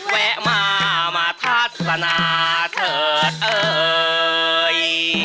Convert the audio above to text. แวะมามาทัศนาเถิดเอ่ย